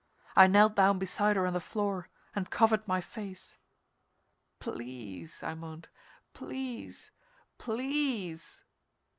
I knelt down beside her on the floor and covered my face. "Please!" I moaned. "Please! Please!"